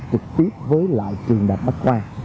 trực tiếp với lại trường đạt bắt qua